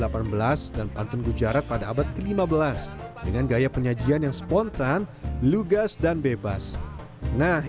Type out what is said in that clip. pantun gujarat pada abad ke lima belas dengan gaya penyajian yang spontan lugas dan bebas nah